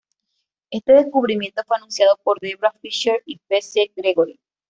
Este descubrimiento fue anunciado por Debra Fischer y P. C. Gregory.